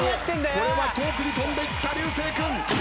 これは遠くに飛んでいった流星君。